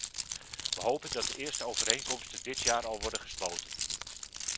Wij hopen dat de eerste overeenkomsten dit jaar al worden gesloten.